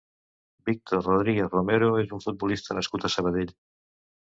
Víctor Rodríguez Romero és un futbolista nascut a Sabadell.